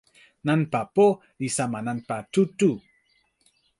nanpa po li sama nanpa tu tu.